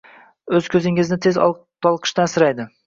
Ular koʻzingizni tez toliqishdan asraydi